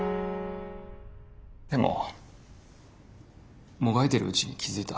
でももがいているうちに気付いた。